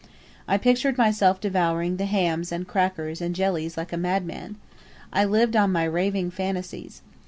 I pictured myself devouring the hams and crackers and jellies like a madman. I lived on my raving fancies.